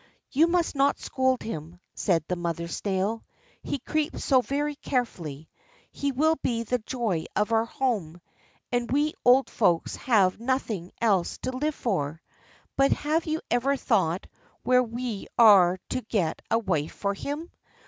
"You must not scold him," said the mother snail; "he creeps so very carefully. He will be the joy of our home; and we old folks have nothing else to live for. But have you ever thought where we are to get a wife for him?